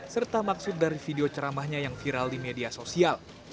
serta maksud dari video ceramahnya yang viral di media sosial